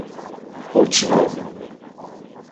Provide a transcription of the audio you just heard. Ponte Nova